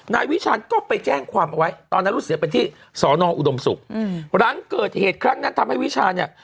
นายวิชาณก็ไปแจ้งความเอาไว้ตอนนั้นลูกเสือไปที่สอนออุดมศุกร์หลังเกิดเหตุครั้งนั้นทำให้วิชาเนี่ย